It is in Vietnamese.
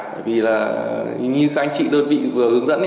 bởi vì là như các anh chị đơn vị vừa hướng dẫn